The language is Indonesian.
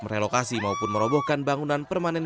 merelokasi maupun merobohkan bangunan permanen